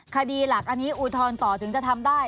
คดีหลักอันนี้อุทธรณ์ต่อถึงจะทำได้